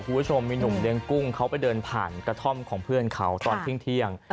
คุณผู้ชมมีหนุ่มเลี้ยงกุ้งเขาไปเดินผ่านกระท่อมของเพื่อนเขาตอนเที่ยง